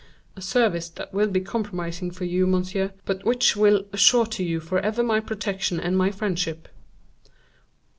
"A service that will be compromising for you, monsieur, but which will assure to you forever my protection and my friendship."